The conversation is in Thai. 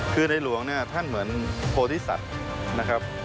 คือในหลวงเนี่ยท่านเหมือนโพธิสัตว์นะครับ